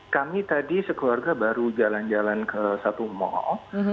kami tadi sekeluarga baru jalan jalan ke satu mall